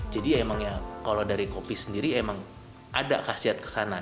jadi emangnya kalau dari kopi sendiri emang ada khasiat ke sana